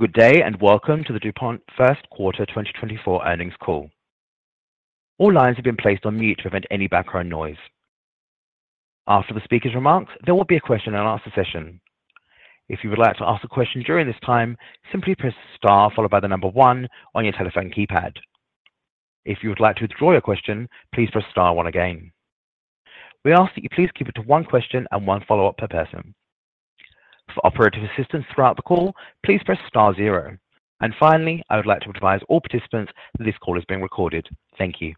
Good day and welcome to the DuPont first quarter 2024 earnings call. All lines have been placed on mute to prevent any background noise. After the speaker's remarks, there will be a question-and-answer session. If you would like to ask a question during this time, simply press star followed by the number one on your telephone keypad. If you would like to withdraw your question, please press star one again. We ask that you please keep it to one question and one follow-up per person. For operator assistance throughout the call, please press star zero. And finally, I would like to advise all participants that this call is being recorded. Thank you.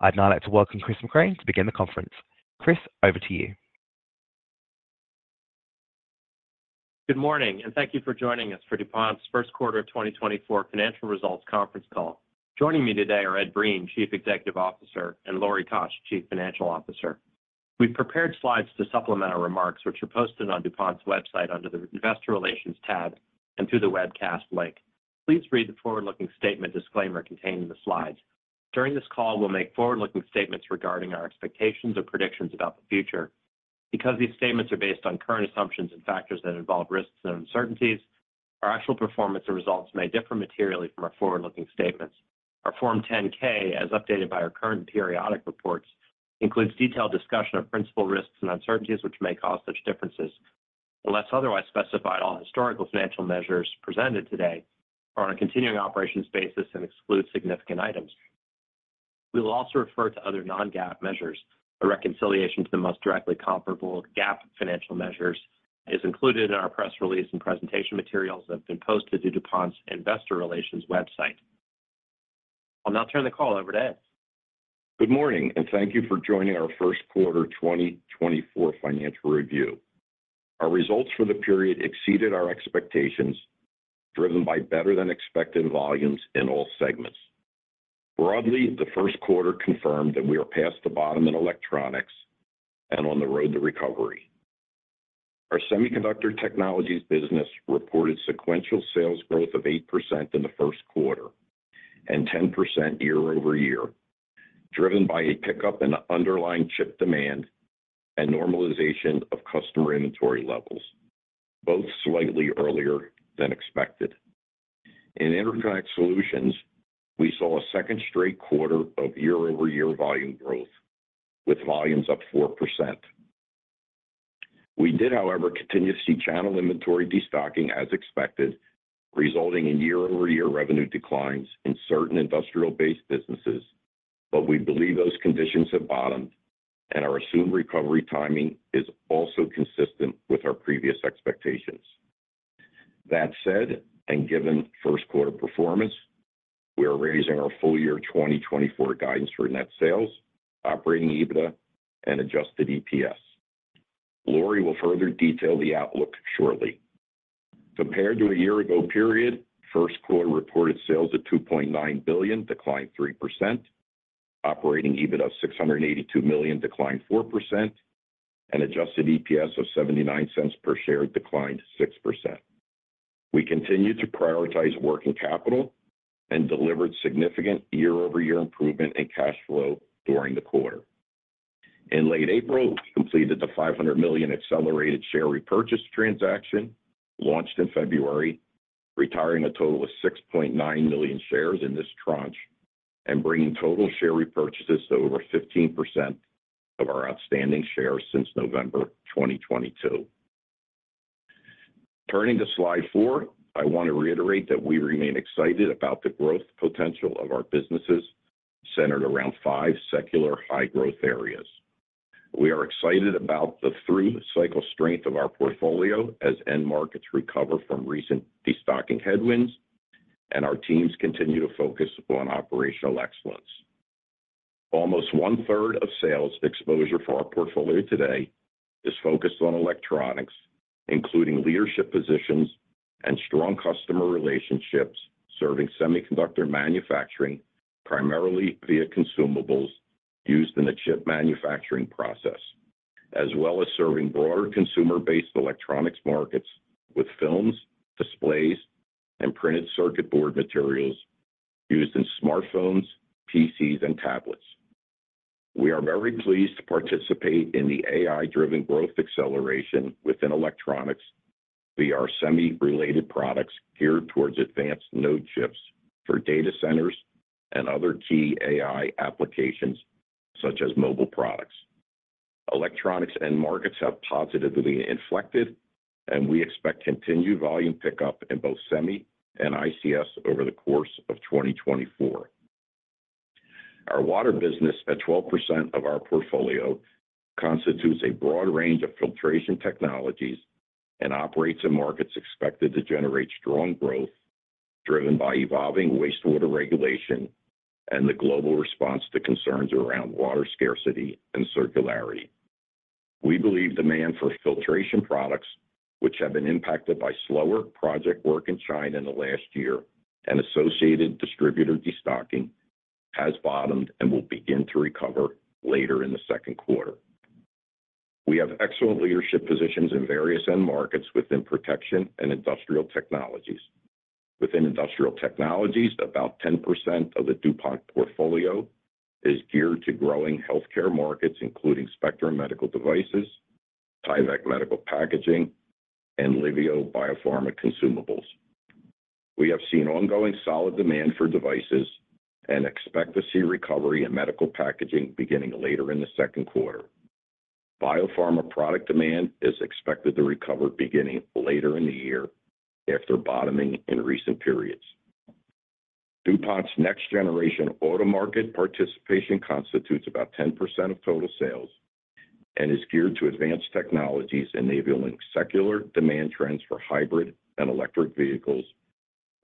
I'd now like to welcome Chris Mecray to begin the conference. Chris, over to you. Good morning, and thank you for joining us for DuPont's first quarter 2024 financial results conference call. Joining me today are Ed Breen, Chief Executive Officer, and Lori Koch, Chief Financial Officer. We've prepared slides to supplement our remarks, which are posted on DuPont's website under the Investor Relations tab and through the webcast link. Please read the forward-looking statement disclaimer contained in the slides. During this call, we'll make forward-looking statements regarding our expectations or predictions about the future. Because these statements are based on current assumptions and factors that involve risks and uncertainties, our actual performance and results may differ materially from our forward-looking statements. Our Form 10-K, as updated by our current periodic reports, includes detailed discussion of principal risks and uncertainties which may cause such differences, unless otherwise specified, all historical financial measures presented today are on a continuing operations basis and exclude significant items. We will also refer to other non-GAAP measures. A reconciliation to the most directly comparable GAAP financial measures is included in our press release and presentation materials that have been posted to DuPont's Investor Relations website. I'll now turn the call over to Ed. Good morning, and thank you for joining our first quarter 2024 financial review. Our results for the period exceeded our expectations, driven by better-than-expected volumes in all segments. Broadly, the first quarter confirmed that we are past the bottom in electronics and on the road to recovery. Our Semiconductor Technologies business reported sequential sales growth of 8% in the first quarter and 10% year-over-year, driven by a pickup in underlying chip demand and normalization of customer inventory levels, both slightly earlier than expected. In Interconnect Solutions, we saw a second straight quarter of year-over-year volume growth, with volumes up 4%. We did, however, continue to see channel inventory destocking as expected, resulting in year-over-year revenue declines in certain industrial-based businesses, but we believe those conditions have bottomed and our assumed recovery timing is also consistent with our previous expectations. That said, and given first quarter performance, we are raising our full-year 2024 guidance for net sales, operating EBITDA, and adjusted EPS. Lori will further detail the outlook shortly. Compared to a year-ago period, first quarter reported sales at $2.9 billion, declined 3%. Operating EBITDA of $682 million, declined 4%. Adjusted EPS of $0.79 per share, declined 6%. We continue to prioritize working capital and delivered significant year-over-year improvement in cash flow during the quarter. In late April, we completed the $500 million accelerated share repurchase transaction, launched in February, retiring a total of 6.9 million shares in this tranche and bringing total share repurchases to over 15% of our outstanding shares since November 2022. Turning to Slide four, I want to reiterate that we remain excited about the growth potential of our businesses centered around 5 secular high-growth areas. We are excited about the through-cycle strength of our portfolio as end markets recover from recent destocking headwinds and our teams continue to focus on operational excellence. Almost 1/3 of sales exposure for our portfolio today is focused on electronics, including leadership positions and strong customer relationships serving semiconductor manufacturing, primarily via consumables used in the chip manufacturing process, as well as serving broader consumer-based electronics markets with films, displays, and printed circuit board materials used in smartphones, PCs, and tablets. We are very pleased to participate in the AI-driven growth acceleration within electronics via our semi-related products geared towards advanced node chips for data centers and other key AI applications such as mobile products. Electronics end markets have positively inflected and we expect continued volume pickup in both semi and ICS over the course of 2024. Our water business at 12% of our portfolio constitutes a broad range of filtration technologies and operates in markets expected to generate strong growth driven by evolving wastewater regulation and the global response to concerns around water scarcity and circularity. We believe demand for filtration products, which have been impacted by slower project work in China in the last year and associated distributor destocking, has bottomed and will begin to recover later in the second quarter. We have excellent leadership positions in various end markets within protection and industrial technologies. Within industrial technologies, about 10% of the DuPont portfolio is geared to growing healthcare markets, including Spectrum Medical Devices, Tyvek Medical Packaging, and Liveo Biopharma consumables. We have seen ongoing solid demand for devices and expect to see recovery in medical packaging beginning later in the second quarter. Biopharma product demand is expected to recover beginning later in the year after bottoming in recent periods. DuPont's next-generation auto market participation constitutes about 10% of total sales and is geared to advanced technologies enabling secular demand trends for hybrid and electric vehicles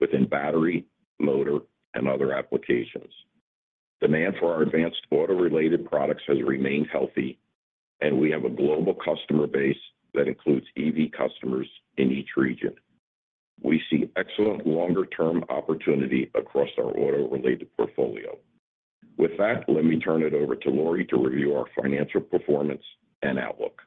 within battery, motor, and other applications. Demand for our advanced auto-related products has remained healthy and we have a global customer base that includes EV customers in each region. We see excellent longer-term opportunity across our auto-related portfolio. With that, let me turn it over to Lori to review our financial performance and outlook.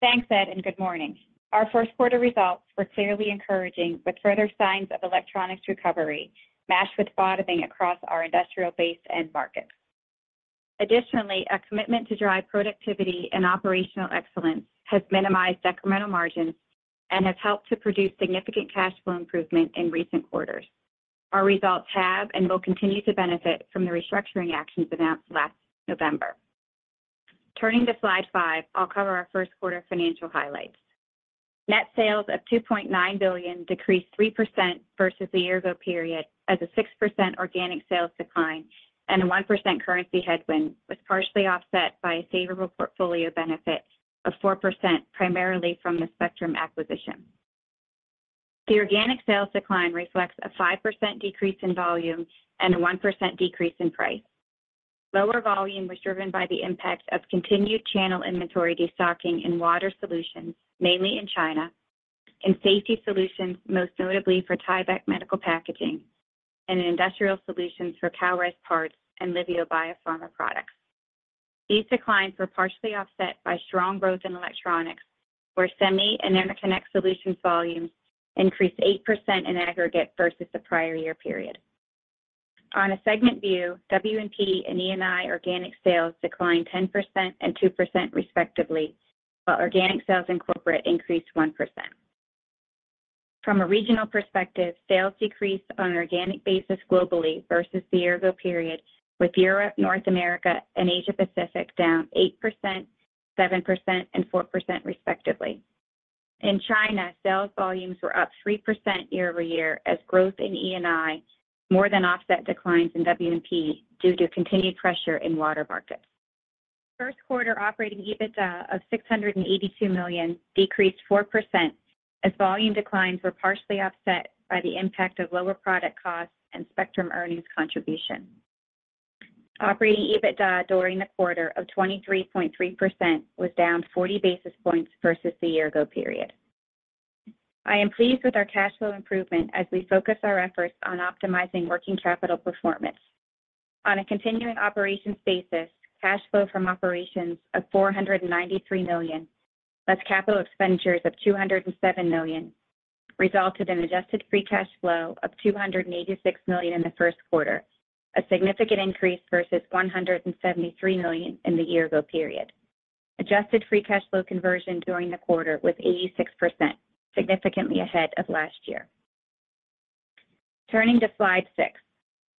Thanks, Ed, and good morning. Our first quarter results were clearly encouraging, with further signs of electronics recovery matched with bottoming across our industrial-based end markets. Additionally, a commitment to drive productivity and operational excellence has minimized decremental margins and has helped to produce significant cash flow improvement in recent quarters. Our results have and will continue to benefit from the restructuring actions announced last November. Turning to slide five, I'll cover our first quarter financial highlights. Net sales of $2.9 billion decreased 3% versus the year-ago period as a 6% organic sales decline and a 1% currency headwind was partially offset by a favorable portfolio benefit of 4% primarily from the Spectrum acquisition. The organic sales decline reflects a 5% decrease in volume and a 1% decrease in price. Lower volume was driven by the impact of continued channel inventory destocking in Water Solutions, mainly in China, in Safety Solutions, most notably for Tyvek Medical Packaging, and in Industrial Solutions for Kalrez parts and Liveo Biopharma products. These declines were partially offset by strong growth in electronics, where semi and interconnect solutions volumes increased 8% in aggregate versus the prior year period. On a segment view, W&P and E&I organic sales declined 10% and 2% respectively, while organic sales in corporate increased 1%. From a regional perspective, sales decreased on an organic basis globally versus the year-ago period, with Europe, North America, and Asia Pacific down 8%, 7%, and 4% respectively. In China, sales volumes were up 3% year-over-year as growth in E&I more than offset declines in W&P due to continued pressure in water markets. First quarter operating EBITDA of $682 million decreased 4% as volume declines were partially offset by the impact of lower product costs and Spectrum earnings contribution. Operating EBITDA during the quarter of 23.3% was down 40 basis points versus the year-ago period. I am pleased with our cash flow improvement as we focus our efforts on optimizing working capital performance. On a continuing operations basis, cash flow from operations of $493 million plus capital expenditures of $207 million resulted in adjusted free cash flow of $286 million in the first quarter, a significant increase versus $173 million in the year-ago period. Adjusted free cash flow conversion during the quarter was 86%, significantly ahead of last year. Turning to slide 6,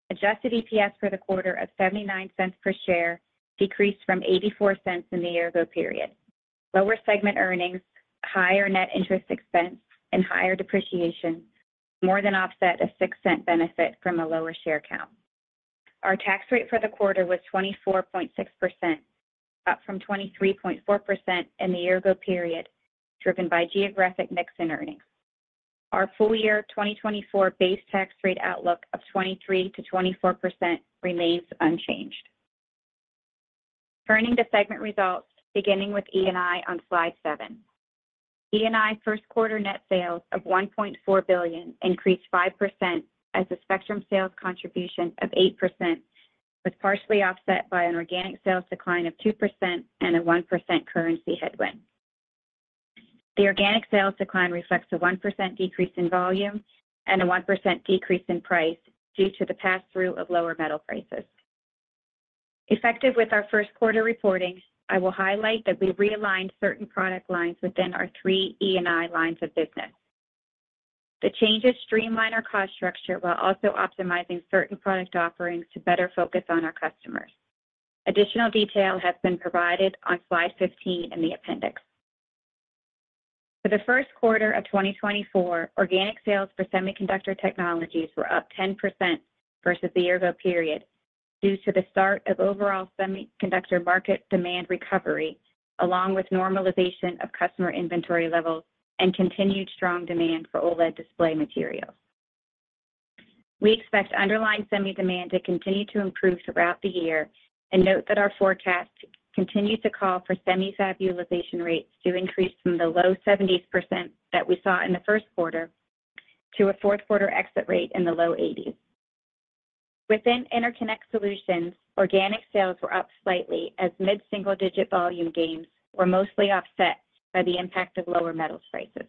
adjusted EPS for the quarter of $0.79 per share decreased from $0.84 in the year-ago period. Lower segment earnings, higher net interest expense, and higher depreciation more than offset a $0.06 benefit from a lower share count. Our tax rate for the quarter was 24.6%, up from 23.4% in the year-ago period, driven by geographic mix in earnings. Our full-year 2024 base tax rate outlook of 23%-24% remains unchanged. Turning to segment results, beginning with E&I on slide seven. E&I first quarter net sales of $1.4 billion increased 5% as the Spectrum sales contribution of 8% was partially offset by an organic sales decline of 2% and a 1% currency headwind. The organic sales decline reflects a 1% decrease in volume and a 1% decrease in price due to the pass-through of lower metal prices. Effective with our first quarter reporting, I will highlight that we realigned certain product lines within our three E&I lines of business. The changes streamline our cost structure while also optimizing certain product offerings to better focus on our customers. Additional detail has been provided on slide 15 in the appendix. For the first quarter of 2024, organic sales for Semiconductor Technologies were up 10% versus the year-ago period due to the start of overall semiconductor market demand recovery, along with normalization of customer inventory levels and continued strong demand for OLED display materials. We expect underlying semi-demand to continue to improve throughout the year and note that our forecast continues to call for semi-fab utilization rates to increase from the low 70s% that we saw in the first quarter to a fourth quarter exit rate in the low 80s. Within Interconnect Solutions, organic sales were up slightly as mid-single-digit volume gains were mostly offset by the impact of lower metals prices.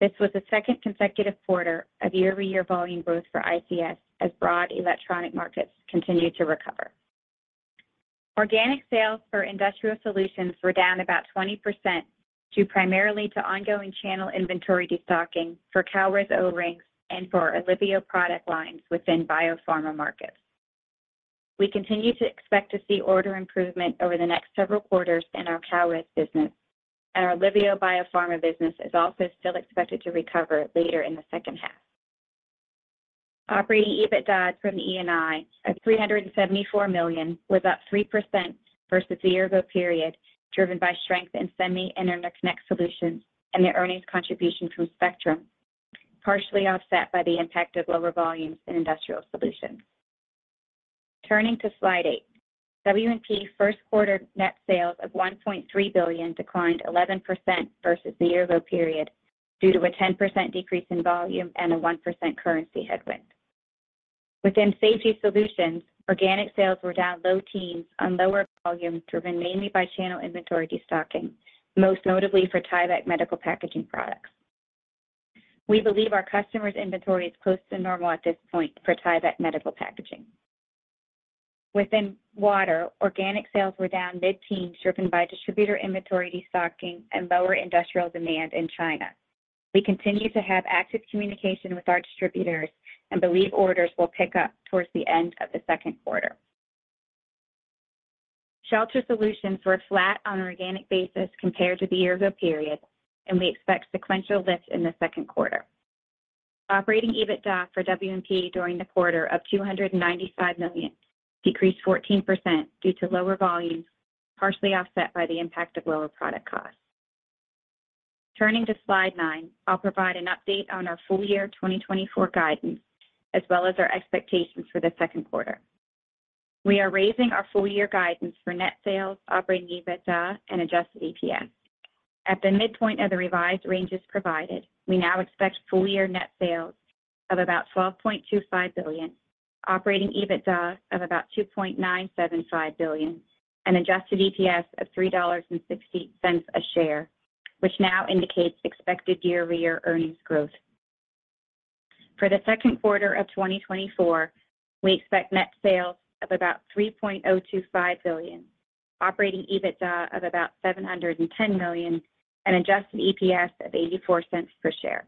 This was the second consecutive quarter of year-over-year volume growth for ICS as broad electronic markets continued to recover. Organic sales for industrial solutions were down about 20% primarily to ongoing channel inventory destocking for Kalrez O-rings and for Liveo product lines within biopharma markets. We continue to expect to see order improvement over the next several quarters in our Kalrez business, and our Liveo Biopharma business is also still expected to recover later in the second half. Operating EBITDA from E&I of $374 million was up 3% versus the year-ago period, driven by strength in semi-interconnect solutions and the earnings contribution from Spectrum, partially offset by the impact of lower volumes in industrial solutions. Turning to slide eight, W&P first quarter net sales of $1.3 billion declined 11% versus the year-ago period due to a 10% decrease in volume and a 1% currency headwind. Within safety solutions, organic sales were down low teens on lower volume driven mainly by channel inventory destocking, most notably for Tyvek Medical Packaging products. We believe our customers' inventory is close to normal at this point for Tyvek Medical Packaging. Within water, organic sales were down mid-teens driven by distributor inventory destocking and lower industrial demand in China. We continue to have active communication with our distributors and believe orders will pick up towards the end of the second quarter. Shelter Solutions were flat on an organic basis compared to the year-ago period, and we expect sequential lifts in the second quarter. Operating EBITDA for W&P during the quarter of $295 million decreased 14% due to lower volumes, partially offset by the impact of lower product costs. Turning to slide nine, I'll provide an update on our full-year 2024 guidance as well as our expectations for the second quarter. We are raising our full-year guidance for net sales, operating EBITDA, and adjusted EPS. At the midpoint of the revised ranges provided, we now expect full-year net sales of about $12.25 billion, operating EBITDA of about $2.975 billion, and adjusted EPS of $3.60 a share, which now indicates expected year-over-year earnings growth. For the second quarter of 2024, we expect net sales of about $3.025 billion, operating EBITDA of about $710 million, and adjusted EPS of $0.84 per share.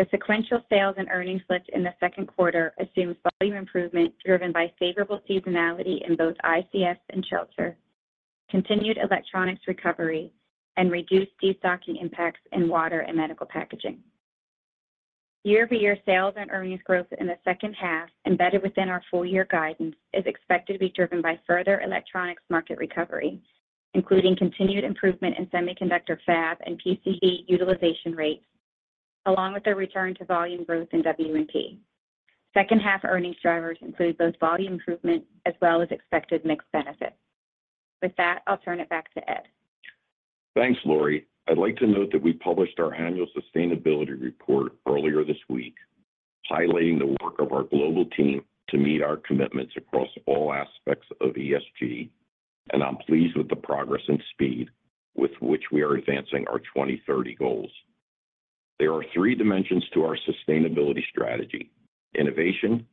The sequential sales and earnings lift in the second quarter assumes volume improvement driven by favorable seasonality in both ICS and shelter, continued electronics recovery, and reduced destocking impacts in water and medical packaging. Year-over-year sales and earnings growth in the second half embedded within our full-year guidance is expected to be driven by further electronics market recovery, including continued improvement in semiconductor fab and PCB utilization rates, along with a return to volume growth in W&P. Second half earnings drivers include both volume improvement as well as expected mixed benefits. With that, I'll turn it back to Ed. Thanks, Lori. I'd like to note that we published our annual sustainability report earlier this week, highlighting the work of our global team to meet our commitments across all aspects of ESG, and I'm pleased with the progress and speed with which we are advancing our 2030 goals. There are three dimensions to our sustainability strategy: innovation,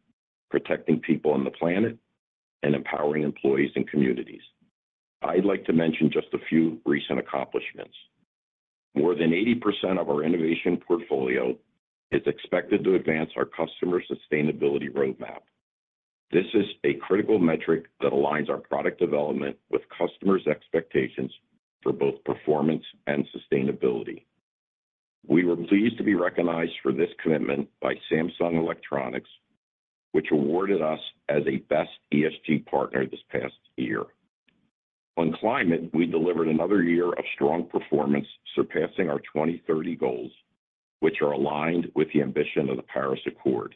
protecting people on the planet, and empowering employees and communities. I'd like to mention just a few recent accomplishments. More than 80% of our innovation portfolio is expected to advance our customer sustainability roadmap. This is a critical metric that aligns our product development with customers' expectations for both performance and sustainability. We were pleased to be recognized for this commitment by Samsung Electronics, which awarded us as a best ESG partner this past year. On climate, we delivered another year of strong performance surpassing our 2030 goals, which are aligned with the ambition of the Paris Accord.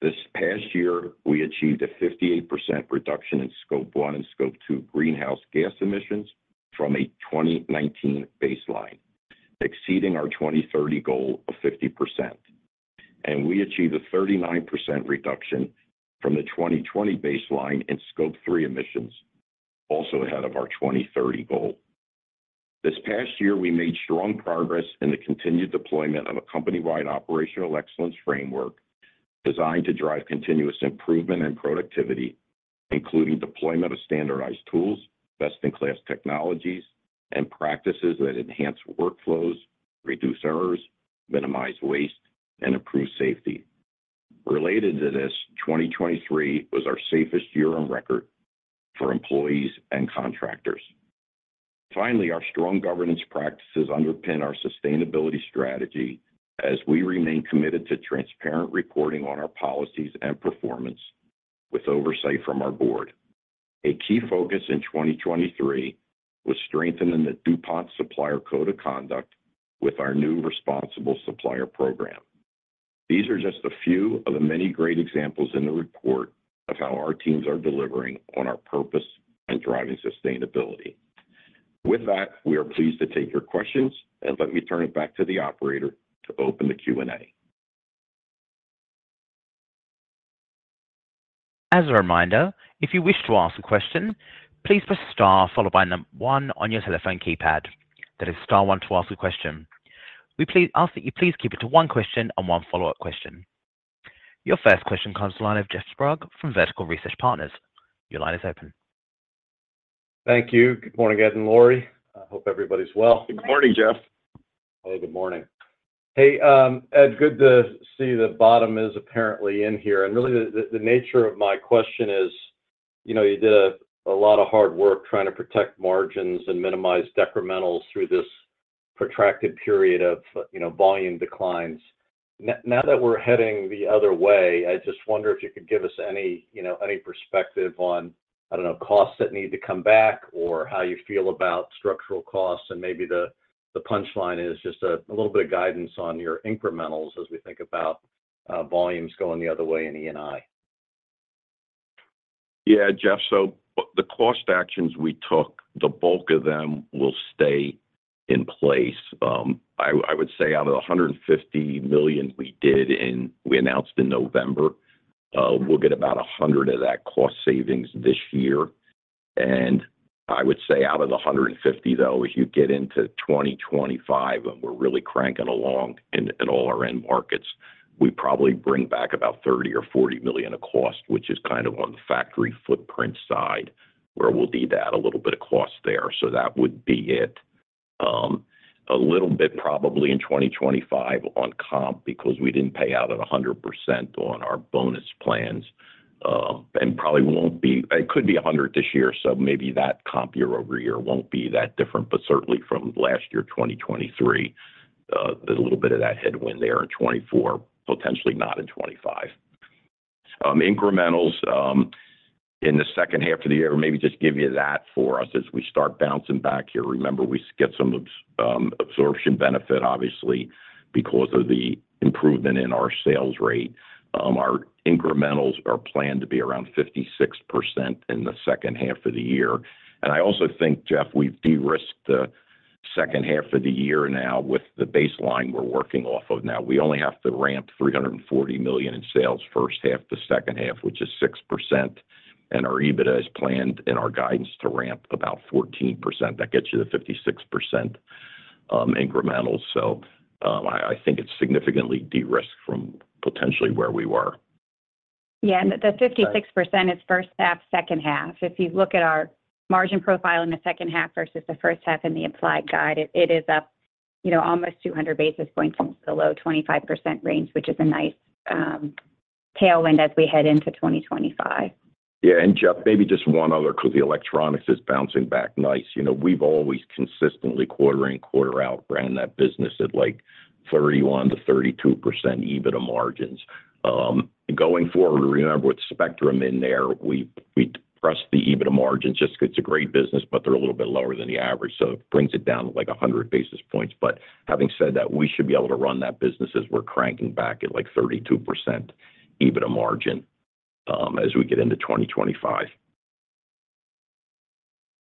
This past year, we achieved a 58% reduction in Scope 1 and Scope 2 greenhouse gas emissions from a 2019 baseline, exceeding our 2030 goal of 50%. We achieved a 39% reduction from the 2020 baseline in Scope 3 emissions, also ahead of our 2030 goal. This past year, we made strong progress in the continued deployment of a company-wide operational excellence framework designed to drive continuous improvement and productivity, including deployment of standardized tools, best-in-class technologies, and practices that enhance workflows, reduce errors, minimize waste, and improve safety. Related to this, 2023 was our safest year on record for employees and contractors. Finally, our strong governance practices underpin our sustainability strategy as we remain committed to transparent reporting on our policies and performance with oversight from our board. A key focus in 2023 was strengthening the DuPont Supplier Code of Conduct with our new responsible supplier program. These are just a few of the many great examples in the report of how our teams are delivering on our purpose and driving sustainability. With that, we are pleased to take your questions, and let me turn it back to the operator to open the Q&A. As a reminder, if you wish to ask a question, please press star followed by number one on your telephone keypad. That is star one to ask a question. We ask that you please keep it to one question and one follow-up question. Your first question comes to the line of Jeff Sprague from Vertical Research Partners. Your line is open. Thank you. Good morning, Ed and Lori. I hope everybody's well. Good morning, Jeff. Hey, good morning. Hey, Ed, good to see the bottom is apparently in here. And really, the nature of my question is, you did a lot of hard work trying to protect margins and minimize decrementals through this protracted period of volume declines. Now that we're heading the other way, I just wonder if you could give us any perspective on, I don't know, costs that need to come back or how you feel about structural costs. And maybe the punchline is just a little bit of guidance on your incrementals as we think about volumes going the other way in E&I. Yeah, Jeff. So the cost actions we took, the bulk of them will stay in place. I would say out of the $150 million we announced in November, we'll get about $100 million of that cost savings this year. And I would say out of the $150 million, though, if you get into 2025 and we're really cranking along in all our end markets, we probably bring back about $30 million or $40 million of cost, which is kind of on the factory footprint side where we'll do that, a little bit of cost there. So that would be it. A little bit probably in 2025 on comp because we didn't pay out at 100% on our bonus plans and probably won't be it could be 100% this year. So maybe that comp year over year won't be that different, but certainly from last year, 2023, a little bit of that headwind there in 2024, potentially not in 2025. Incrementals in the second half of the year, maybe just give you that for us as we start bouncing back here. Remember, we get some absorption benefit, obviously, because of the improvement in our sales rate. Our incrementals are planned to be around 56% in the second half of the year. And I also think, Jeff, we've de-risked the second half of the year now with the baseline we're working off of now. We only have to ramp $340 million in sales first half, the second half, which is 6%. And our EBITDA is planned in our guidance to ramp about 14%. That gets you to 56% incrementals. So I think it's significantly de-risked from potentially where we were. Yeah. The 56% is first half, second half. If you look at our margin profile in the second half versus the first half in the applied guide, it is up almost 200 basis points into the low 25% range, which is a nice tailwind as we head into 2025. Yeah. And Jeff, maybe just one other because the electronics is bouncing back nice. We've always consistently, quarter in, quarter out, ran that business at 31%-32% EBITDA margins. Going forward, remember with Spectrum in there, we pressed the EBITDA margins just because it's a great business, but they're a little bit lower than the average. So it brings it down to 100 basis points. But having said that, we should be able to run that business as we're cranking back at 32% EBITDA margin as we get into 2025.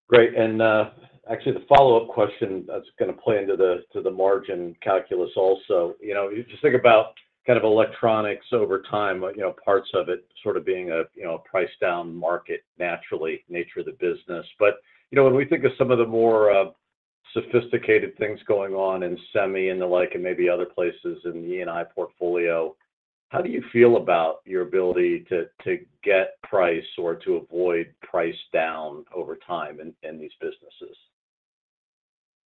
Great. And actually, the follow-up question that's going to play into the margin calculus also. Just think about kind of electronics over time, parts of it sort of being a priced-down market, naturally, nature of the business. But when we think of some of the more sophisticated things going on in semi and the like and maybe other places in the E&I portfolio, how do you feel about your ability to get price or to avoid price down over time in these businesses?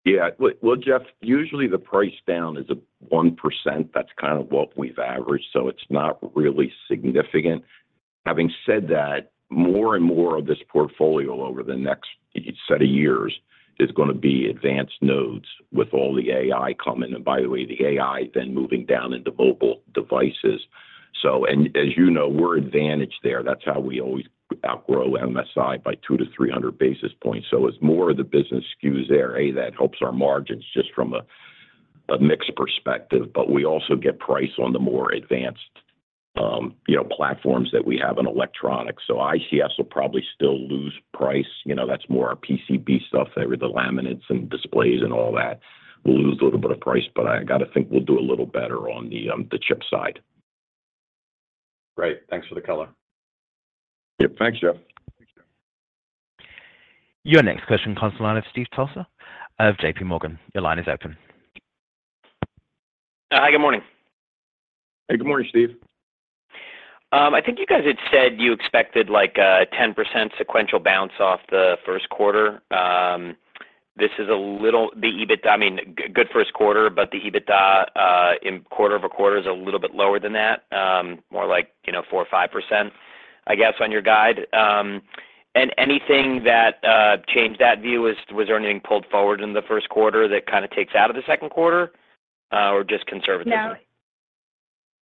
Yeah. Well, Jeff, usually, the price down is 1%. That's kind of what we've averaged. So it's not really significant. Having said that, more and more of this portfolio over the next set of years is going to be advanced nodes with all the AI coming. And by the way, the AI then moving down into mobile devices. And as you know, we're advantaged there. That's how we always outgrow MSI by 2-300 basis points. So as more of the business skews there, A, that helps our margins just from a mixed perspective. But we also get price on the more advanced platforms that we have in electronics. So ICS will probably still lose price. That's more our PCB stuff, the laminates and displays and all that. We'll lose a little bit of price, but I got to think we'll do a little better on the chip side. Great. Thanks for the color. Yep. Thanks, Jeff. Your next question, analyst Steve Tusa of J.P. Morgan. Your line is open. Hi. Good morning. Hey. Good morning, Steve. I think you guys had said you expected a 10% sequential bounce off the first quarter. This is a little, I mean, good first quarter, but the EBITDA quarter-over-quarter is a little bit lower than that, more like 4% or 5%, I guess, on your guide. And anything that changed that view? Was there anything pulled forward in the first quarter that kind of takes out of the second quarter or just conservatively?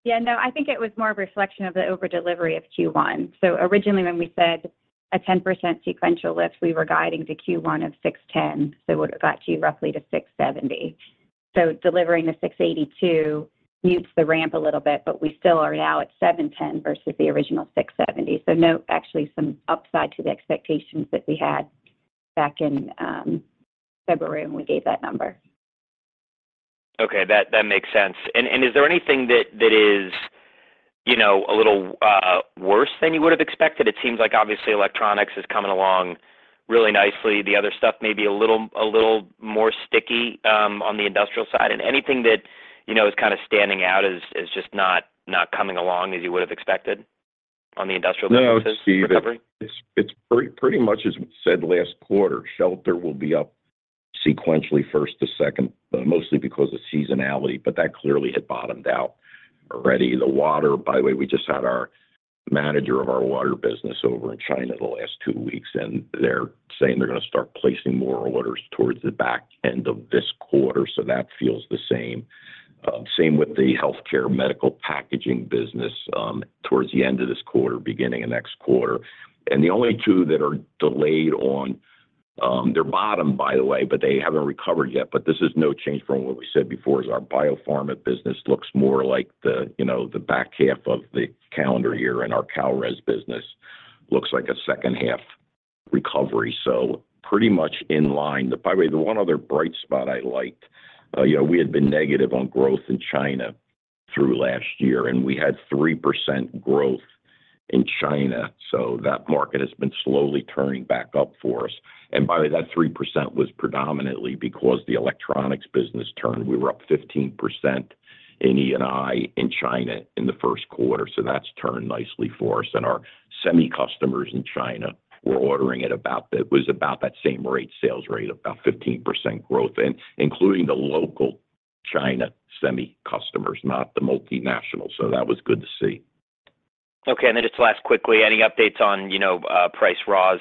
No. Yeah. No. I think it was more a reflection of the overdelivery of Q1. So originally, when we said a 10% sequential lift, we were guiding to Q1 of $610. So it got to you roughly to $670. So delivering the $682 mutes the ramp a little bit, but we still are now at $710 versus the original $670. So no, actually, some upside to the expectations that we had back in February when we gave that number. Okay. That makes sense. Is there anything that is a little worse than you would have expected? It seems like, obviously, electronics is coming along really nicely. The other stuff may be a little more sticky on the industrial side. Anything that is kind of standing out as just not coming along as you would have expected on the industrial businesses recovery? No. Steve, it's pretty much as we said last quarter. Shelter will be up sequentially first to second, mostly because of seasonality. But that clearly had bottomed out already. The water by the way, we just had our manager of our water business over in China the last two weeks, and they're saying they're going to start placing more orders towards the back end of this quarter. So that feels the same. Same with the healthcare medical packaging business towards the end of this quarter, beginning of next quarter. And the only two that are delayed, and they're bottom, by the way, but they haven't recovered yet. But this is no change from what we said before, is our biopharma business looks more like the back half of the calendar year, and our Kalrez business looks like a second-half recovery. So pretty much in line. By the way, the one other bright spot I liked, we had been negative on growth in China through last year, and we had 3% growth in China. So that market has been slowly turning back up for us. And by the way, that 3% was predominantly because the electronics business turned. We were up 15% in E&I in China in the first quarter. So that's turned nicely for us. And our semi customers in China were ordering at about it was about that same rate, sales rate, about 15% growth, including the local China semi customers, not the multinational. So that was good to see. Okay. And then just to ask quickly, any updates on price raw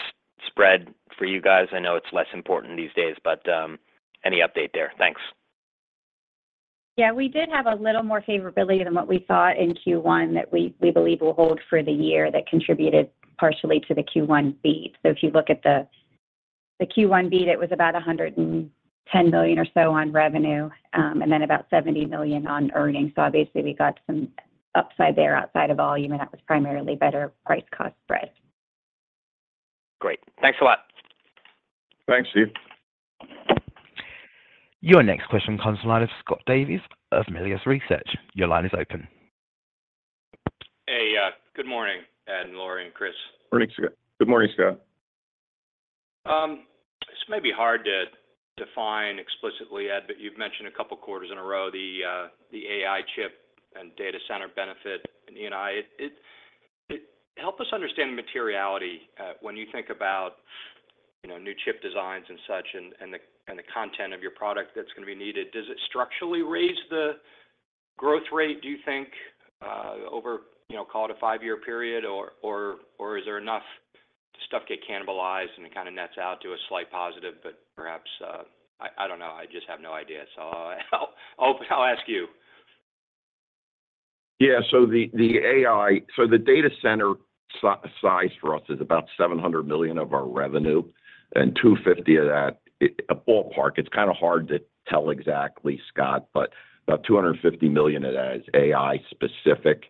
spread for you guys? I know it's less important these days, but any update there? Thanks. Yeah. We did have a little more favorability than what we thought in Q1 that we believe will hold for the year that contributed partially to the Q1 beat. So if you look at the Q1 beat, it was about $110 million or so on revenue and then about $70 million on earnings. So obviously, we got some upside there outside of volume. That was primarily better price cost spread. Great. Thanks a lot. Thanks, Steve. Your next question, analyst Scott Davis of Melius Research. Your line is open. Hey. Good morning, Ed, Lori, and Chris. Good morning, Scott. It's maybe hard to define explicitly, Ed, but you've mentioned a couple of quarters in a row, the AI chip and data center benefit in E&I. Help us understand the materiality when you think about new chip designs and such and the content of your product that's going to be needed. Does it structurally raise the growth rate, do you think, over call it a five-year period, or is there enough stuff to get cannibalized and it kind of nets out to a slight positive? But perhaps I don't know. I just have no idea. So I'll ask you. Yeah. So the AI so the data center size for us is about $700 million of our revenue, and $250 of that a ballpark. It's kind of hard to tell exactly, Scott, but about $250 million of that is AI-specific.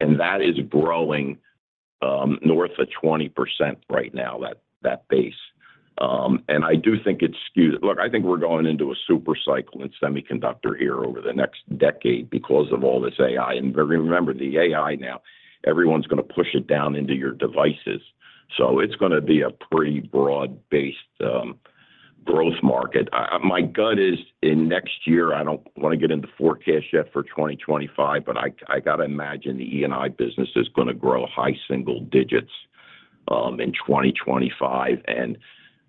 And that is growing north of 20% right now, that base. And I do think it's skewed. Look, I think we're going into a supercycle in semiconductor here over the next decade because of all this AI. And remember, the AI now, everyone's going to push it down into your devices. So it's going to be a pretty broad-based growth market. My gut is in next year, I don't want to get into forecasts yet for 2025, but I got to imagine the E&I business is going to grow high single digits in 2025. And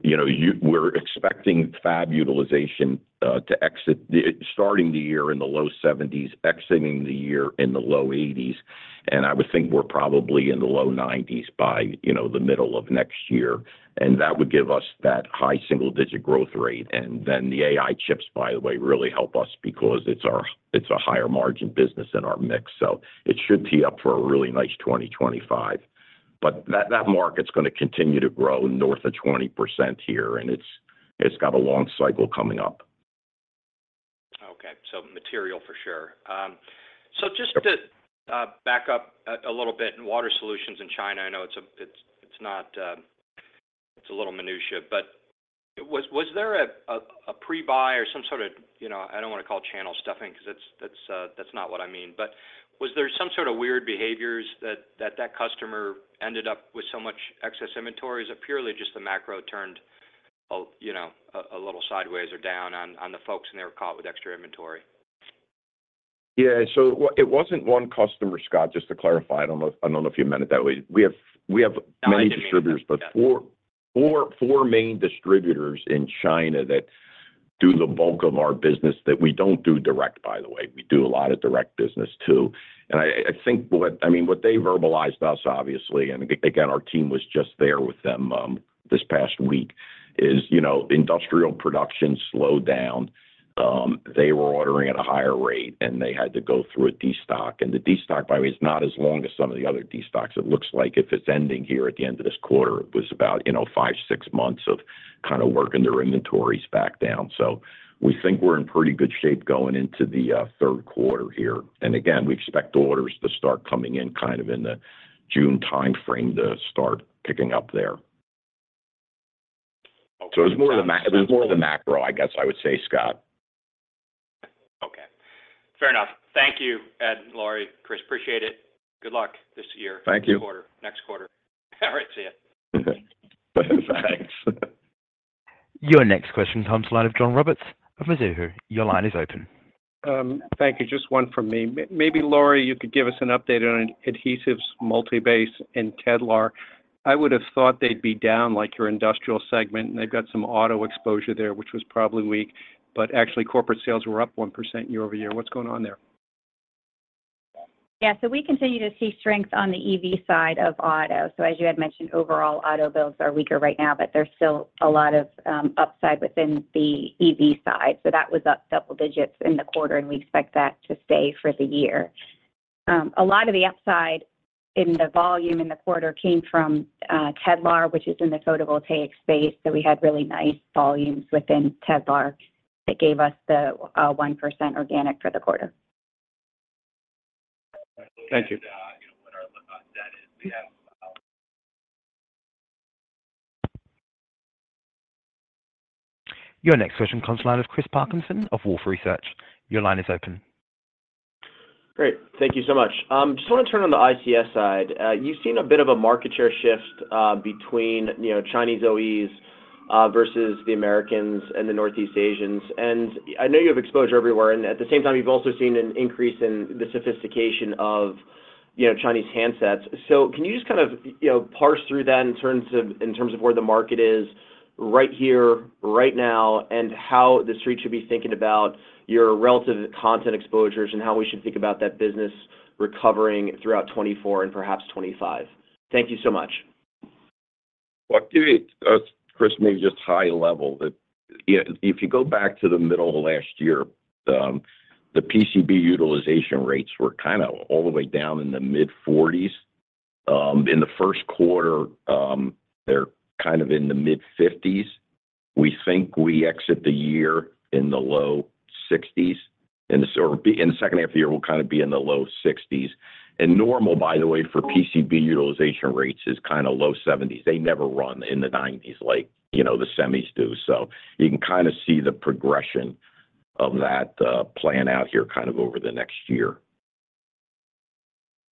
we're expecting fab utilization starting the year in the low 70s, exiting the year in the low 80s. And I would think we're probably in the low 90s by the middle of next year. And that would give us that high single-digit growth rate. And then the AI chips, by the way, really help us because it's a higher-margin business in our mix. So it should tee up for a really nice 2025. But that market's going to continue to grow north of 20% here, and it's got a long cycle coming up. Okay. So material for sure. So just to back up a little bit and water solutions in China, I know it's not it's a little minutiae, but was there a pre-buy or some sort of I don't want to call channel stuffing because that's not what I mean. But was there some sort of weird behaviors that that customer ended up with so much excess inventory? Is it purely just the macro turned a little sideways or down on the folks, and they were caught with extra inventory? Yeah. So it wasn't one customer, Scott, just to clarify. I don't know if you meant it that way. We have many distributors, but four main distributors in China that do the bulk of our business that we don't do direct, by the way. We do a lot of direct business too. And I think what I mean, what they verbalized to us, obviously, and again, our team was just there with them this past week, is industrial production slowed down. They were ordering at a higher rate, and they had to go through a destock. And the destock, by the way, is not as long as some of the other destocks. It looks like if it's ending here at the end of this quarter, it was about five, six months of kind of working their inventories back down. So we think we're in pretty good shape going into the third quarter here. And again, we expect orders to start coming in kind of in the June timeframe to start picking up there. So it was more of the macro, I guess I would say, Scott. Okay. Fair enough. Thank you, Ed, Lori, Chris. Appreciate it. Good luck this year, next quarter. Thank you. All right. See you. Thanks. Your next question, analyst John Roberts of Mizuho. Your line is open. Thank you. Just one from me. Maybe, Lori, you could give us an update on adhesives, Multibase, and Tedlar. I would have thought they'd be down, like your industrial segment, and they've got some auto exposure there, which was probably weak. But actually, corporate sales were up 1% year-over-year. What's going on there? Yeah. So we continue to see strength on the EV side of auto. So as you had mentioned, overall, auto builds are weaker right now, but there's still a lot of upside within the EV side. So that was up double digits in the quarter, and we expect that to stay for the year. A lot of the upside in the volume in the quarter came from Tedlar, which is in the photovoltaic space. So we had really nice volumes within Tedlar that gave us the 1% organic for the quarter. Thank you. Your next question, analyst Chris Parkinson of Wolfe Research. Your line is open. Great. Thank you so much. Just want to turn on the ICS side. You've seen a bit of a market share shift between Chinese OEs versus the Americans and the Northeast Asians. I know you have exposure everywhere. At the same time, you've also seen an increase in the sophistication of Chinese handsets. So can you just kind of parse through that in terms of where the market is right here, right now, and how the street should be thinking about your relative content exposures and how we should think about that business recovering throughout 2024 and perhaps 2025? Thank you so much. Well, I'll give you, Chris, maybe just high-level. If you go back to the middle of last year, the PCB utilization rates were kind of all the way down in the mid-40s. In the first quarter, they're kind of in the mid-50s. We think we exit the year in the low 60s, or in the second half of the year, we'll kind of be in the low 60s. And normal, by the way, for PCB utilization rates is kind of low 70s. They never run in the 90s like the semis do. So you can kind of see the progression of that playing out here kind of over the next year.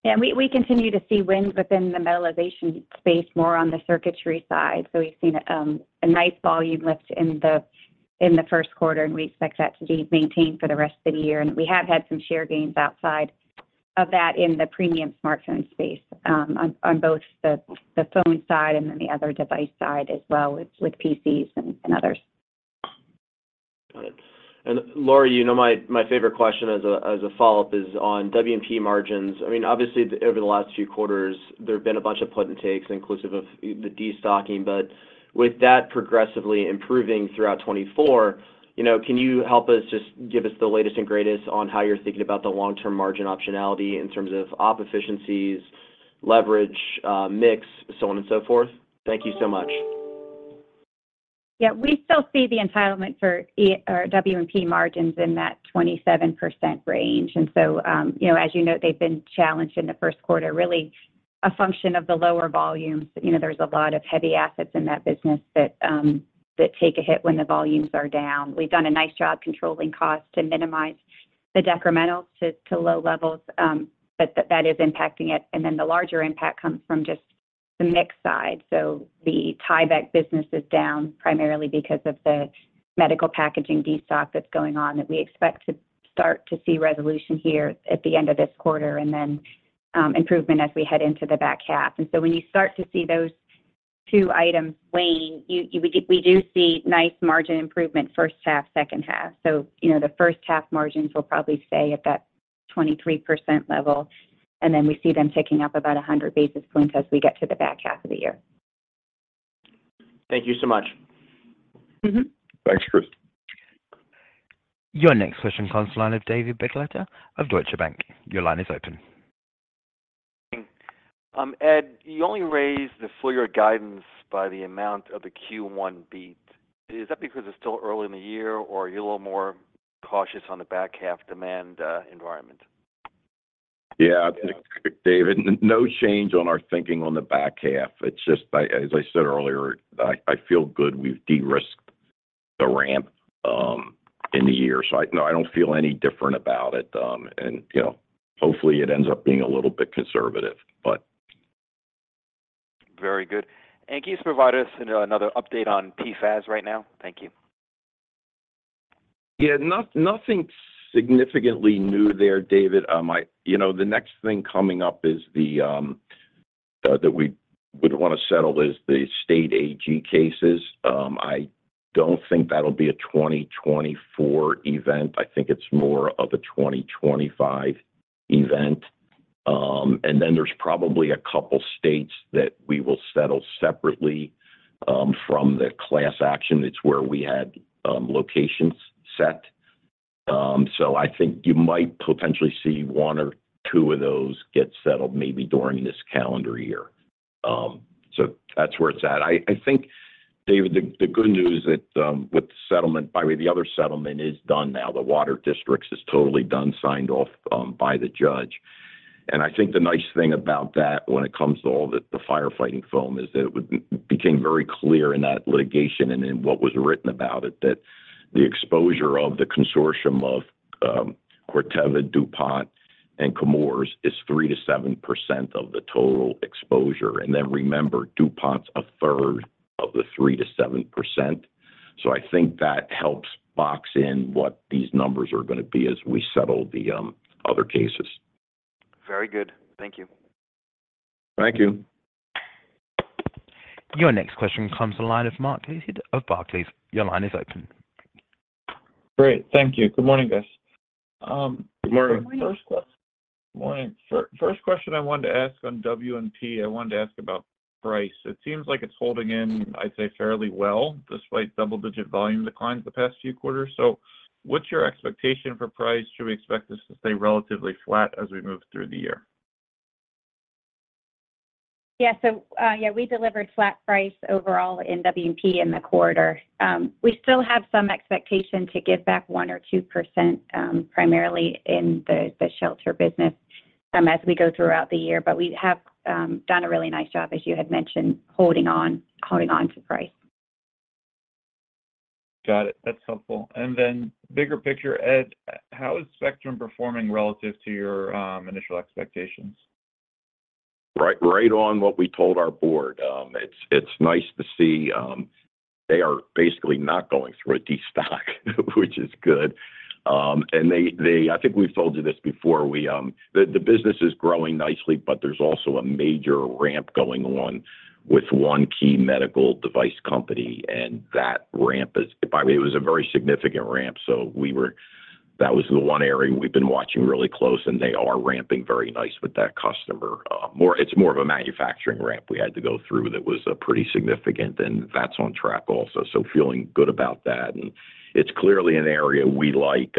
Yeah. And we continue to see wins within the metallization space, more on the circuitry side. So we've seen a nice volume lift in the first quarter, and we expect that to be maintained for the rest of the year. And we have had some share gains outside of that in the premium smartphone space on both the phone side and then the other device side as well with PCs and others. Got it. And Lori, my favorite question as a follow-up is on W&P margins. I mean, obviously, over the last few quarters, there have been a bunch of put-and-takes, inclusive of the destocking. But with that progressively improving throughout 2024, can you help us just give us the latest and greatest on how you're thinking about the long-term margin optionality in terms of op efficiencies, leverage, mix, so on and so forth? Thank you so much. Yeah. We still see the entitlement for W&P margins in that 27% range. And so as you note, they've been challenged in the first quarter, really a function of the lower volumes. There's a lot of heavy assets in that business that take a hit when the volumes are down. We've done a nice job controlling cost to minimize the decrementals to low levels, but that is impacting it. And then the larger impact comes from just the mix side. So the Tyvek business is down primarily because of the medical packaging destock that's going on that we expect to start to see resolution here at the end of this quarter and then improvement as we head into the back half. And so when you start to see those two items wane, we do see nice margin improvement first half, second half. So the first half margins will probably stay at that 23% level, and then we see them taking up about 100 basis points as we get to the back half of the year. Thank you so much. Thanks, Chris. Your next question, Analyst David Begleiter of Deutsche Bank. Your line is open. Ed, you only raised the full-year guidance by the amount of the Q1 beat. Is that because it's still early in the year, or are you a little more cautious on the back half demand environment? Yeah. David, no change on our thinking on the back half. It's just, as I said earlier, I feel good we've de-risked the ramp in the year. So no, I don't feel any different about it. And hopefully, it ends up being a little bit conservative, but. Very good. Can you just provide us another update on PFAS right now? Thank you. Yeah. Nothing significantly new there, David. The next thing coming up that we would want to settle is the state AG cases. I don't think that'll be a 2024 event. I think it's more of a 2025 event. And then there's probably a couple of states that we will settle separately from the class action. It's where we had locations set. So I think you might potentially see one or two of those get settled maybe during this calendar year. So that's where it's at. I think, David, the good news is that with the settlement by the way, the other settlement is done now. The water districts is totally done, signed off by the judge. I think the nice thing about that when it comes to all the firefighting foam is that it became very clear in that litigation and in what was written about it that the exposure of the consortium of Corteva, DuPont, and Chemours is 3%-7% of the total exposure. And then remember, DuPont's a third of the 3%-7%. So I think that helps box in what these numbers are going to be as we settle the other cases. Very good. Thank you. Thank you. Your next question, Michael Leithead of Barclays. Your line is open. Great. Thank you. Good morning, guys. Good morning. First question. Good morning. First question I wanted to ask on W&P. I wanted to ask about price. It seems like it's holding in, I'd say, fairly well despite double-digit volume declines the past few quarters. So what's your expectation for price? Should we expect this to stay relatively flat as we move through the year? Yeah. So yeah, we delivered flat price overall in W&P in the quarter. We still have some expectation to give back 1%-2% primarily in the shelter business as we go throughout the year. But we have done a really nice job, as you had mentioned, holding on to price. Got it. That's helpful. And then bigger picture, Ed, how is Spectrum performing relative to your initial expectations? Right on what we told our board. It's nice to see they are basically not going through a destock, which is good. I think we've told you this before. The business is growing nicely, but there's also a major ramp going on with one key medical device company. That ramp is, by the way, it was a very significant ramp. So that was the one area we've been watching really close, and they are ramping very nice with that customer. It's more of a manufacturing ramp we had to go through that was pretty significant. That's on track also. Feeling good about that. It's clearly an area we like.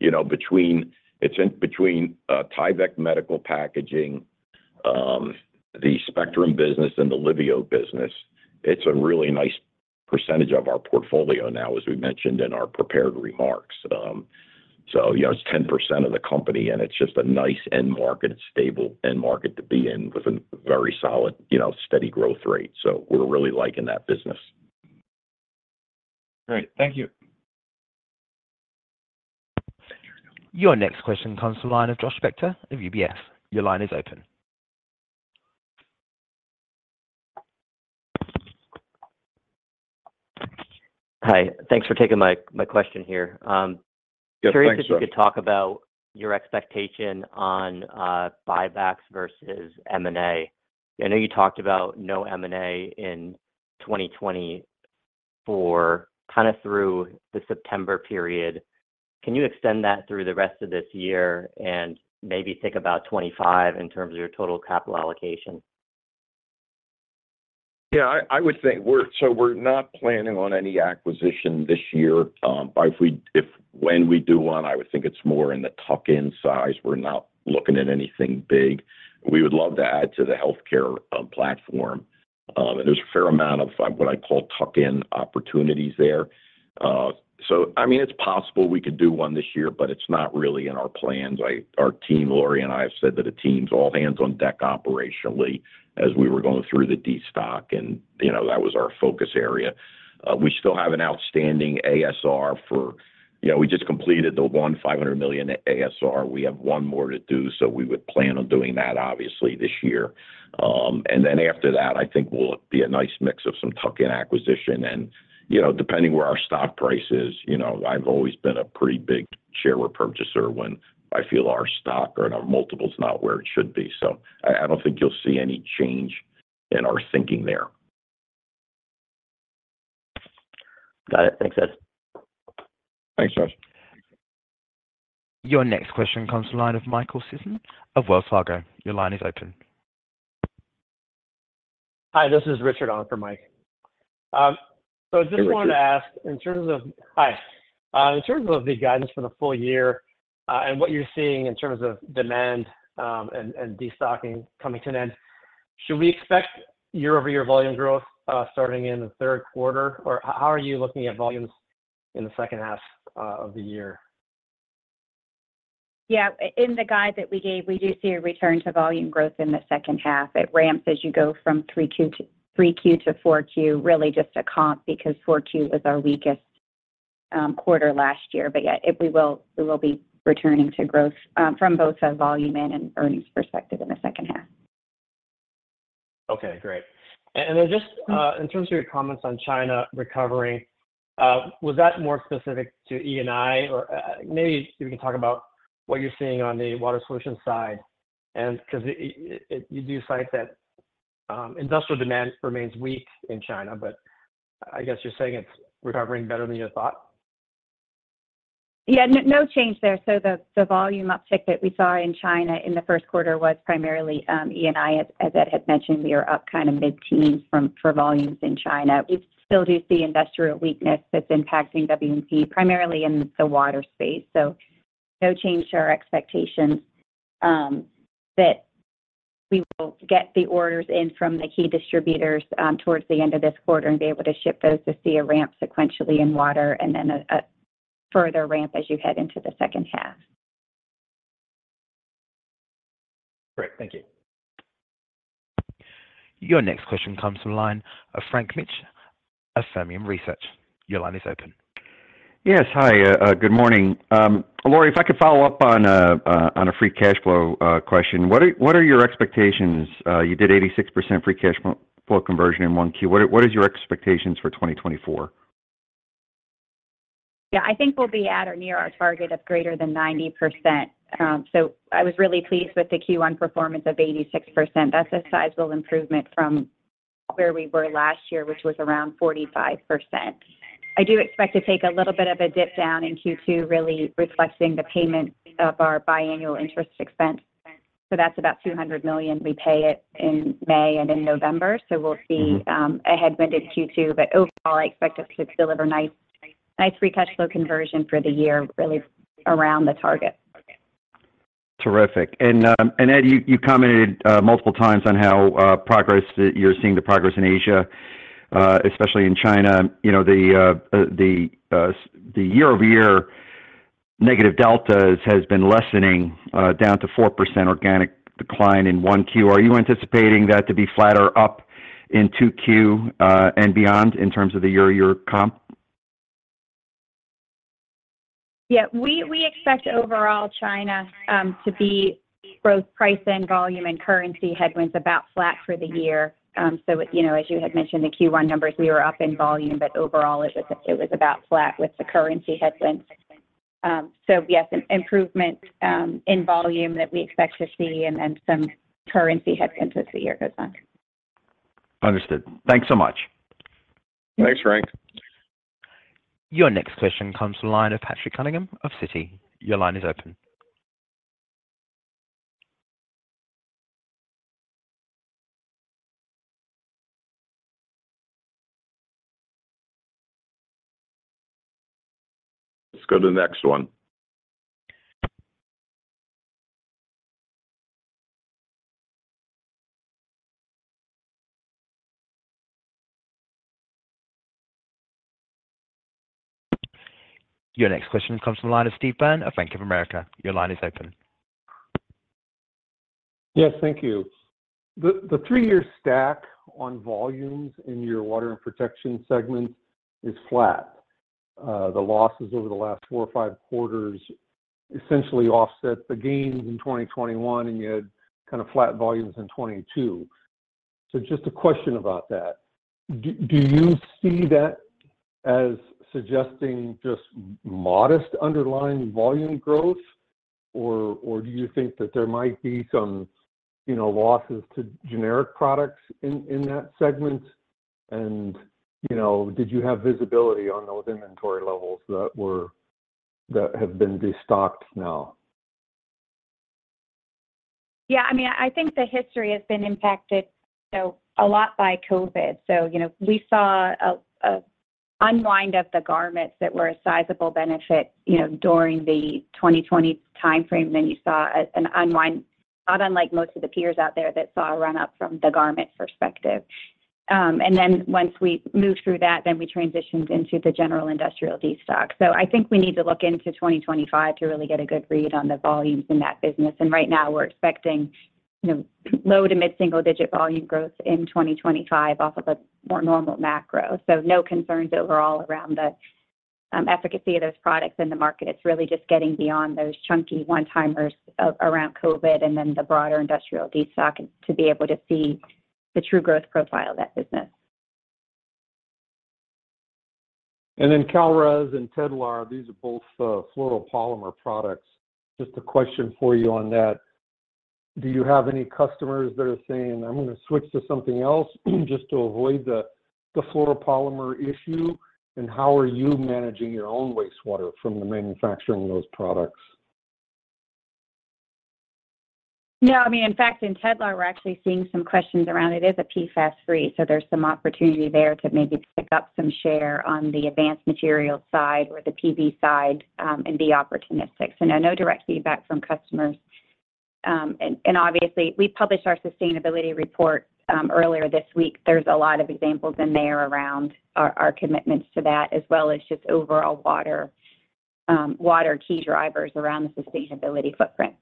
It's in between Tyvek Medical Packaging, the Spectrum business, and the Liveo business. It's a really nice percentage of our portfolio now, as we mentioned in our prepared remarks. It's 10% of the company, and it's just a nice end market, stable end market to be in with a very solid, steady growth rate. We're really liking that business. Great. Thank you. Your next question, analyst Josh Spector of UBS. Your line is open. Hi. Thanks for taking my question here. Curious if you could talk about your expectation on buybacks versus M&A. I know you talked about no M&A in 2024 kind of through the September period. Can you extend that through the rest of this year and maybe think about 2025 in terms of your total capital allocation? Yeah. I would think so. We're not planning on any acquisition this year. When we do one, I would think it's more in the tuck-in size. We're not looking at anything big. We would love to add to the healthcare platform. And there's a fair amount of what I call tuck-in opportunities there. So I mean, it's possible we could do one this year, but it's not really in our plans. Our team, Lori and I, have said that the team's all hands on deck operationally as we were going through the destock, and that was our focus area. We still have an outstanding ASR. We just completed the $500 million ASR. We have one more to do, so we would plan on doing that, obviously, this year. And then after that, I think we'll be a nice mix of some tuck-in acquisition. Depending where our stock price is, I've always been a pretty big share repurchaser when I feel our stock or our multiples not where it should be. I don't think you'll see any change in our thinking there. Got it. Thanks, Ed. Thanks, Josh. Your next question comes from Michael Sison of Wells Fargo. Your line is open. Hi. This is Richard Garchitorena, Mike. So I just wanted to ask in terms of the guidance for the full-year and what you're seeing in terms of demand and destocking coming to an end, should we expect year-over-year volume growth starting in the third quarter, or how are you looking at volumes in the second half of the year? Yeah. In the guide that we gave, we do see a return to volume growth in the second half. It ramps as you go from 3Q-4Q, really just a comp because 4Q was our weakest quarter last year. But yet, we will be returning to growth from both a volume-in and earnings perspective in the second half. Okay. Great. And then just in terms of your comments on China recovering, was that more specific to E&I, or maybe if you can talk about what you're seeing on the water solution side? Because you do cite that industrial demand remains weak in China, but I guess you're saying it's recovering better than you thought? Yeah. No change there. So the volume uptick that we saw in China in the first quarter was primarily E&I. As Ed had mentioned, we are up kind of mid-teens for volumes in China. We still do see industrial weakness that's impacting W&P, primarily in the water space. So no change to our expectations that we will get the orders in from the key distributors towards the end of this quarter and be able to ship those to see a ramp sequentially in water and then a further ramp as you head into the second half. Great. Thank you. Your next question, comes from the line Frank Mitsch of Fermium Research. Your line is open. Yes. Hi. Good morning. Lori, if I could follow up on a free cash flow question, what are your expectations? You did 86% free cash flow conversion in one Q. What are your expectations for 2024? Yeah. I think we'll be at or near our target of greater than 90%. So I was really pleased with the Q1 performance of 86%. That's a sizable improvement from where we were last year, which was around 45%. I do expect to take a little bit of a dip down in Q2, really reflecting the payment of our biannual interest expense. So that's about $200 million. We pay it in May and in November. So we'll see a headwind in Q2. But overall, I expect us to deliver nice free cash flow conversion for the year, really around the target. Terrific. And Ed, you commented multiple times on how you're seeing the progress in Asia, especially in China. The year-over-year negative deltas has been lessening, down to 4% organic decline in 1Q. Are you anticipating that to be flatter up in 2Q and beyond in terms of the year-over-year comp? Yeah. We expect overall China to be both price and volume and currency headwinds about flat for the year. So as you had mentioned, the Q1 numbers, we were up in volume, but overall, it was about flat with the currency headwinds. So yes, improvement in volume that we expect to see and then some currency headwinds as the year goes on. Understood. Thanks so much. Thanks, Frank. Your next question comes from Patrick Cunningham of Citi. Your line is open. Let's go to the next one. Your next question comes from Steve Byrne of Bank of America. Your line is open. Yes. Thank you. The three-year stack on volumes in your Water and Protection segment is flat. The losses over the last four or five quarters essentially offset the gains in 2021, and you had kind of flat volumes in 2022. So just a question about that. Do you see that as suggesting just modest underlying volume growth, or do you think that there might be some losses to generic products in that segment? And did you have visibility on those inventory levels that have been destocked now? Yeah. I mean, I think the history has been impacted a lot by COVID. So we saw an unwind of the garments that were a sizable benefit during the 2020 timeframe. Then you saw an unwind, not unlike most of the peers out there that saw a run-up from the garment perspective. And then once we moved through that, then we transitioned into the general industrial destock. So I think we need to look into 2025 to really get a good read on the volumes in that business. And right now, we're expecting low- to mid-single-digit volume growth in 2025 off of a more normal macro. So no concerns overall around the efficacy of those products in the market. It's really just getting beyond those chunky one-timers around COVID and then the broader industrial destock to be able to see the true growth profile of that business. Kalrez and Tedlar, these are both fluoropolymer products. Just a question for you on that. Do you have any customers that are saying, "I'm going to switch to something else just to avoid the fluoropolymer issue," and how are you managing your own wastewater from the manufacturing of those products? No. I mean, in fact, in Tedlar, we're actually seeing some questions around it as a PFAS-free. So there's some opportunity there to maybe pick up some share on the advanced materials side or the PV side and be opportunistic. So no, no direct feedback from customers. And obviously, we published our sustainability report earlier this week. There's a lot of examples in there around our commitments to that as well as just overall water key drivers around the sustainability footprint.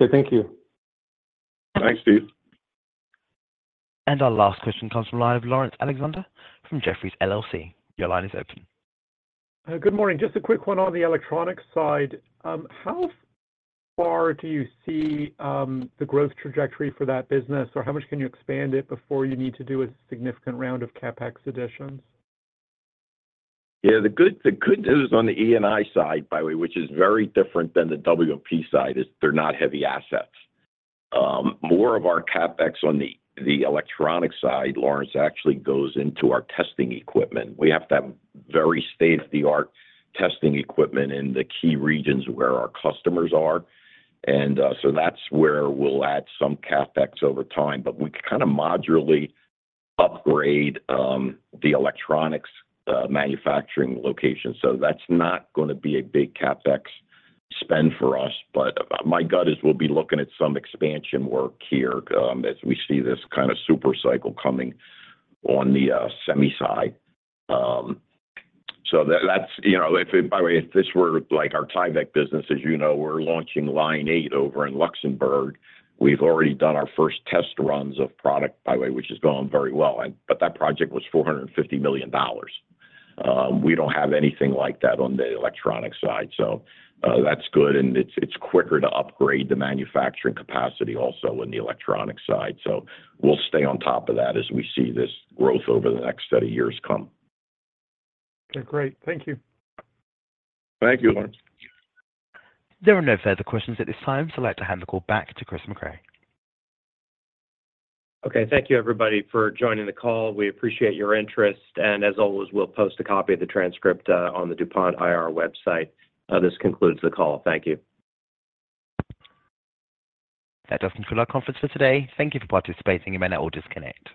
Okay. Thank you. Thanks, Steve. Our last question comes from Laurence Alexander from Jefferies. Your line is open. Good morning. Just a quick one on the electronics side. How far do you see the growth trajectory for that business, or how much can you expand it before you need to do a significant round of CapEx additions? Yeah. The good news on the E&I side, by the way, which is very different than the W&P side, is they're not heavy assets. More of our CapEx on the electronic side, Laurence, actually goes into our testing equipment. We have to have very state-of-the-art testing equipment in the key regions where our customers are. And so that's where we'll add some CapEx over time. But we could kind of modularly upgrade the electronics manufacturing location. So that's not going to be a big CapEx spend for us. But my gut is we'll be looking at some expansion work here as we see this kind of supercycle coming on the semi side. So by the way, if this were our Tyvek business, as you know, we're launching line eight over in Luxembourg. We've already done our first test runs of product, by the way, which is going very well. But that project was $450 million. We don't have anything like that on the electronic side. So that's good. And it's quicker to upgrade the manufacturing capacity also in the electronic side. So we'll stay on top of that as we see this growth over the next set of years come. Okay. Great. Thank you. Thank you, Laurence. There are no further questions at this time, so I'd like to hand the call back to Chris Mecray. Okay. Thank you, everybody, for joining the call. We appreciate your interest. As always, we'll post a copy of the transcript on the DuPont IR website. This concludes the call. Thank you. That does conclude our conference for today. Thank you for participating. You may now disconnect.